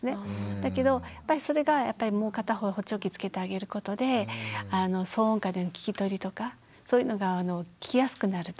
だけどやっぱりそれがもう片方補聴器つけてあげることで騒音下での聞き取りとかそういうのが聞きやすくなると。